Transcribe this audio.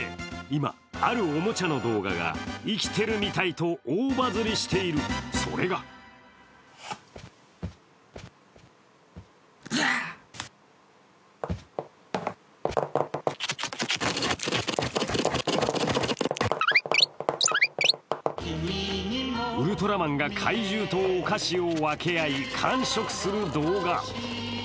今、あるおもちゃの動画が生きているみたいと大バズりしている、それがウルトラマンが怪獣とお菓子を分け合い、完食する動画。